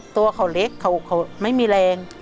ตัวเค้าเล็กไม่มีแรง